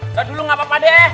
udah dulu gak apa apa deh